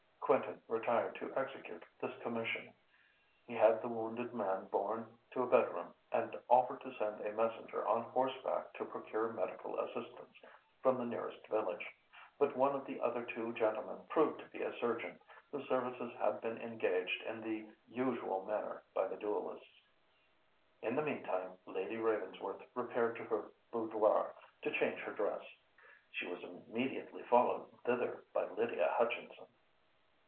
Quentin retired to execute this commission. He had the wounded man borne to a bed room, and offered to send a messenger on horseback to procure medical assistance, from the nearest village; but one of the other two gentlemen proved to be a surgeon, whose services had been engaged in the usual manner by the duellists. In the meantime, Lady Ravensworth repaired to her boudoir, to change her dress. She was immediately followed thither by Lydia Hutchinson.